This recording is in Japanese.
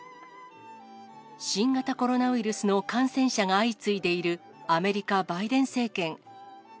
新型コロナウイルスの感染者が相次いでいるアメリカ、バイデン政権。